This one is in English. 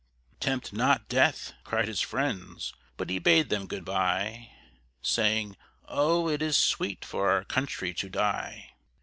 "Tempt not death!" cried his friends; but he bade them good by, Saying, "Oh! it is sweet for our country to die!"